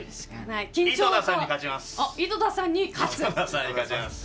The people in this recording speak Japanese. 井戸田さんに勝ちます。